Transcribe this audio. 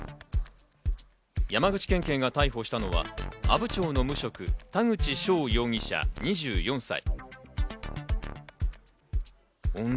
山口県警が逮捕したのは阿武町の無職、田口翔容疑者２４歳。